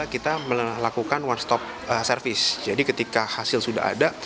kita melakukan one stop service jadi ketika hasil sudah ada